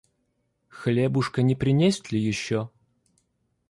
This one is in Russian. Хлебушка не принесть ли еще?